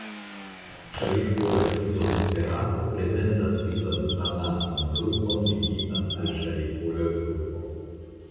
Ŝavikola izobuterato prezentas izobutanatan grupon ligitan al ŝavikola grupo.